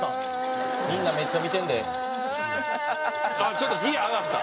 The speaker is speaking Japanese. ちょっとギア上がった。